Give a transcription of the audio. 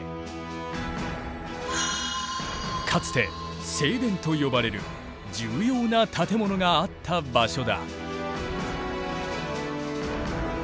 かつて正殿と呼ばれる重要な建物があった場所だ。